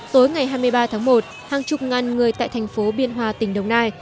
tối ngày hai mươi ba tháng một hàng chục ngàn người tại thành phố biên hòa tỉnh đồng nai